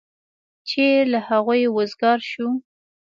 چې له هغوی وزګار شو.